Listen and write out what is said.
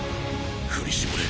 振り絞れ！